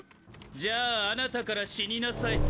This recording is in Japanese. じゃあ貴方から死になさい。